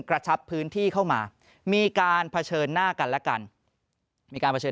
กระชับพื้นที่เข้ามามีการเผชิญหน้ากันและกันมีการเผชิญ